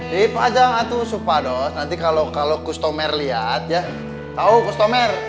dipajang itu supados nanti kalau customer lihat tahu customer